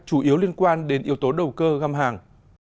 chủ yếu liên quan đến yếu tố đầu cơ găm hàng